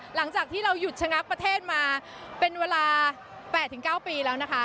หลังจากที่เราหยุดชะงักประเทศมาเป็นเวลา๘๙ปีแล้วนะคะ